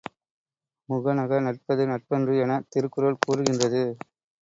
முகநக நட்பது நட்பன்று எனத் திருக்குறள் கூறுகின்றது.